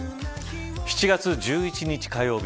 ７月１１日火曜日